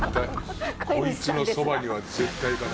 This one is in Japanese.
こいつのそばには絶対行かない。